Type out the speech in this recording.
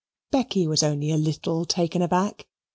Becky was only a little taken aback.